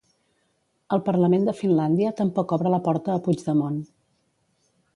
El Parlament de Finlàndia tampoc obre la porta a Puigdemont.